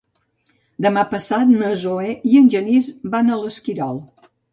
Demà passat na Zoè i en Genís van a l'Esquirol.